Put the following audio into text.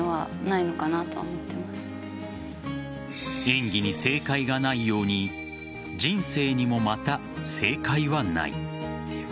演技に正解がないように人生にもまた正解はない。